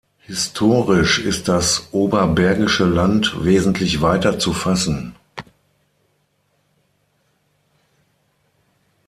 Historisch ist das Oberbergische Land wesentlich weiter zu fassen.